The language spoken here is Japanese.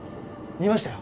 見ましたよ